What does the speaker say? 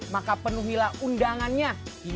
maka penuhilah undangannya